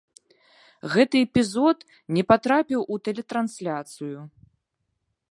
Гэты эпізод не патрапіў у тэлетрансляцыю.